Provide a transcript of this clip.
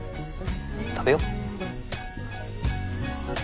食べよう。